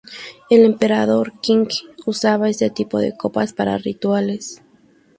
El emperador Qing usaba este tipo de copas para rituales.